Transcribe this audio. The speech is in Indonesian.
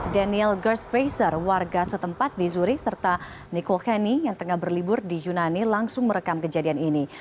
daniel gerstfaser warga setempat di zurich serta nicole henney yang tengah berlibur di yunani langsung merekam kejadian ini